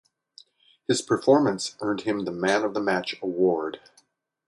His performance earned him the man of the match award.